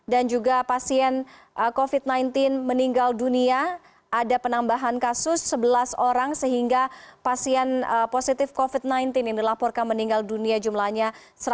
dan juga pasien covid sembilan belas meninggal dunia ada penambahan kasus sebelas orang sehingga pasien positif covid sembilan belas yang dilaporkan meninggal dunia jumlahnya